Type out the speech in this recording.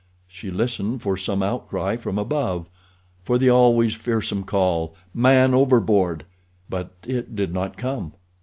She listened for some outcry from above—for the always fearsome call, "Man overboard!" but it did not come.